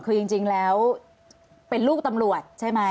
คือจริงแล้วเป็นลูกตำรวจใช่ไหม